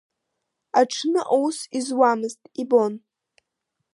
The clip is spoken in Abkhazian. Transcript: Аҽны аус изуамызт, ибон.